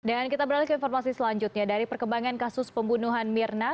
kita beralih ke informasi selanjutnya dari perkembangan kasus pembunuhan mirna